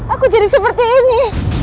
aku jadi seperti ini